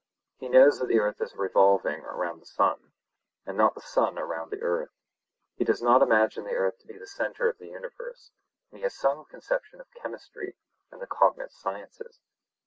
He knows that the earth is revolving round the sun, and not the sun around the earth. He does not imagine the earth to be the centre of the universe, and he has some conception of chemistry and the cognate sciences.